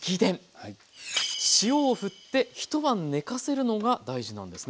塩を振って一晩寝かせるのが大事なんですね。